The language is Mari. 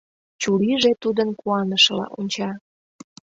Чурийже тудын куанышыла онча.